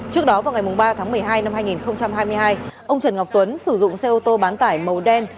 trước đó vào ngày ba tháng một mươi hai năm hai nghìn hai mươi hai ông trần ngọc tuấn sử dụng xe ô tô bán tải màu đen